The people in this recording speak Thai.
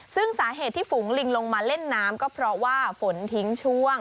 ซึ่งสาเหตุที่ฝูงลิงลงมาเล่นน้ำก็เพราะว่าฝนทิ้งช่วง